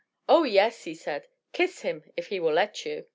" Oh, yes," he said. " Kiss him if he will let you.